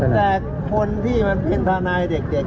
แต่คนที่มันเป็นทนายเด็ก